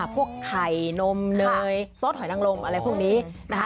พวกไข่นมเนยซอสหอยนังลมอะไรพวกนี้นะคะ